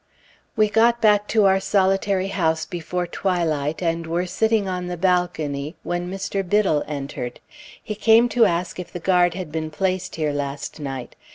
We got back to our solitary house before twilight, and were sitting on the balcony, when Mr. Biddle entered. He came to ask if the guard had been placed here last night.